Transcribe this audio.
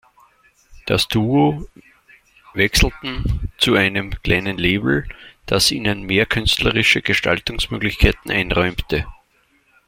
Das Duo wechselten zu einem kleinen Label, das ihnen mehr künstlerische Gestaltungsmöglichkeiten einräumte.